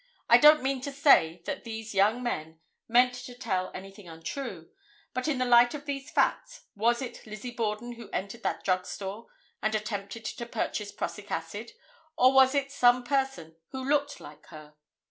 I don't mean to say that these young men meant to tell anything untrue, but in the light of these facts was it Lizzie Borden who entered that drug store and attempted to purchase prussic acid, or was it some person who looked like her?